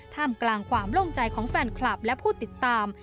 กลางความโล่งใจของแฟนคลับและผู้ติดตาม